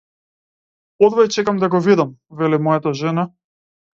Одвај чекам да го видам, вели мојата жена.